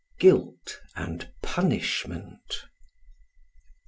Guilt and Punishment.